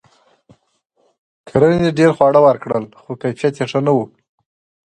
کرنې ډیر خواړه ورکړل؛ خو کیفیت یې ښه نه و.